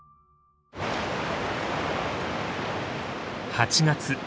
８月。